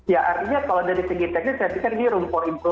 ya artinya kalau dari segi teknik saya pikir ini rumput imbalan